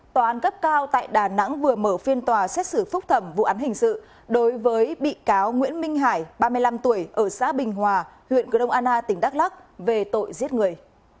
tòa án cấp cao tại đà nẵng vừa mở phiên tòa xét xử phúc thẩm vụ án hình sự đối với bị cáo nguyễn minh hải ba mươi năm tuổi ở xã bình hòa huyện grong anna tỉnh đắk lắc về tội giết người